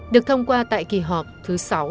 được thông qua tại kỳ họp thứ sáu